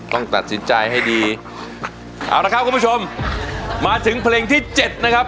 ต้องตัดสินใจให้ดีเอาละครับคุณผู้ชมมาถึงเพลงที่เจ็ดนะครับ